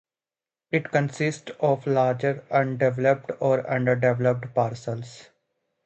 It consists of larger undeveloped or under-developed parcels.